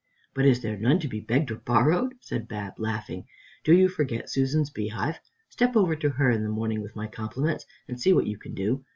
"But is there none to be begged or borrowed?" said Bab, laughing. "Do you forget Susan's beehive? Step over to her in the morning with my compliments, and see what you can do.